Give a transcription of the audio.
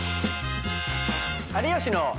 「有吉の」。